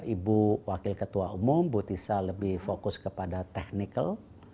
ibu wakil ketua umum bu tisa lebih fokus kepada technical